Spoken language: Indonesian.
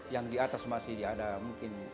yang di atas masih ada mungkin